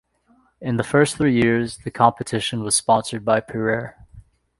In the first three years, the competition was sponsored by Perrier.